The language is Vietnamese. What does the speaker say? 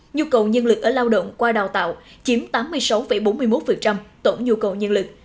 nhu cầu nhân lực ở lao động qua đào tạo chiếm tám mươi sáu bốn mươi một tổn nhu cầu nhân lực